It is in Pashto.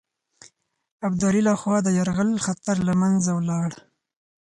ابدالي له خوا د یرغل خطر له منځه ولاړ.